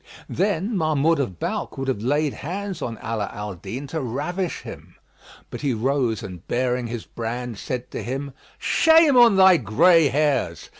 '" Then Mahmud of Balkh would have laid hands on Ala al Din to ravish him; but he rose and baring his brand, said to him, "Shame on thy gray hairs!